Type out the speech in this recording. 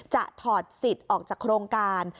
ถอดสิทธิ์ออกจากโครงการ